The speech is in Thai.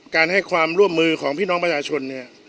ให้ความร่วมมือของพี่น้องประชาชนเนี่ย